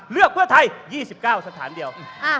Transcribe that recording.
เลือกเพื่อไทย๒๙สถานเดียว